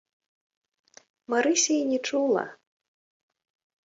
Марыся і не чула.